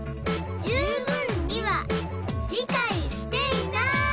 「十分には理解していない」